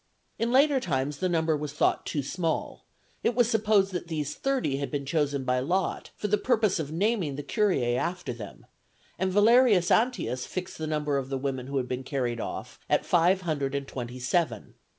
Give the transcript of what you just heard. In later times the number was thought too small; it was supposed that these thirty had been chosen by lot for the purpose of naming the curiæ after them; and Valerius Antias fixed the number of the women who had been carried off at five hundred and twenty seven.